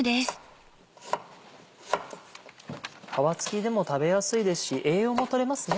皮付きでも食べやすいですし栄養も取れますね。